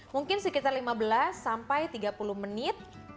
mungkin sekitar lima belas sampai tiga puluh menit